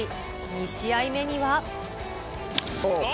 ２試合目には。